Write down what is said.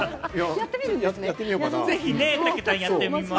やってみますか。